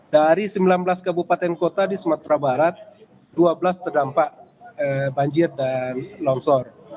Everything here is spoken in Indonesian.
dari sembilan belas kabupaten kota di sumatera barat dua belas terdampak banjir dan longsor